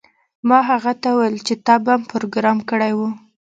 ما هغه ته وویل چې تا بم پروګرام کړی و